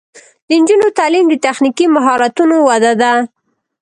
د نجونو تعلیم د تخنیکي مهارتونو وده ده.